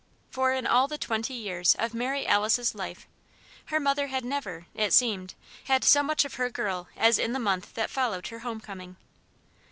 For in all the twenty years of Mary Alice's life, her mother had never, it seemed, had so much of her girl as in the month that followed her home coming.